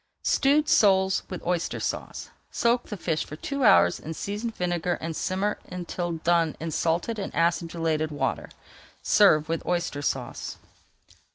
STEWED SOLES WITH OYSTER SAUCE Soak the fish for two hours in seasoned vinegar and simmer until done in salted and acidulated water. Serve with Oyster Sauce.